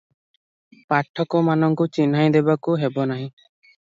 ପାଠକମାନଙ୍କୁ ଚିହ୍ନାଇଦେବାକୁ ହେବ ନାହିଁ ।